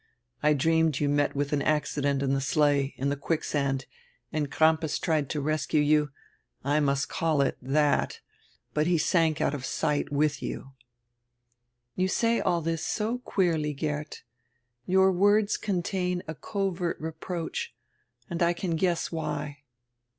I dreamed you met widi an accident in die sleigh, in die quicksand, and Crampas tried to rescue you — I must call it diat —but he sank out of sight widi you." "You say all diis so queerly, Geert. Your words con tain a covert reproach, and I can guess why."